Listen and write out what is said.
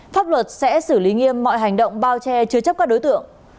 pháp luật sẽ xử lý nghiêm mọi hành động bao che chứa chấp các đối tượng